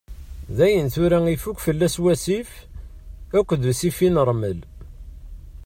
Dayen tura ifuk fell-as wasif akked ussifi n ṛmel.